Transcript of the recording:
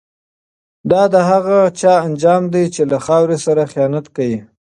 دا د هغه چا انجام دی چي له خاوري سره خیانت کوي.